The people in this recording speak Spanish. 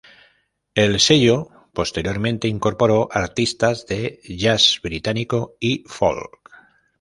El sello posteriormente incorporó artistas de jazz británico y folk.